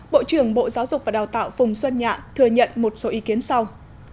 bộ trưởng bộ giáo dục và đào tạo phùng xuân nhạ thừa nhận một số ý kiến sau